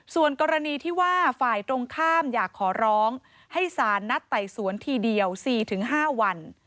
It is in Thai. ส่วนกรณีที่ว่าฝ่ายตรงข้ามอยากขอร้องให้สารนัดไต่สวนทีเดียว๔๕วัน